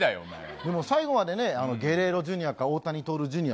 でも最後までね、ゲレーロＪｒ．か大谷とおるジュニアか。